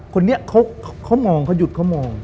คนนี้เขามองเขาหยุดเขามอง